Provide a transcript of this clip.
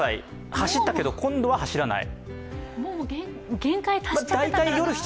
走ったけど、もう走らない？